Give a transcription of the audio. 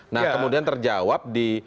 nah kemudian terjawab di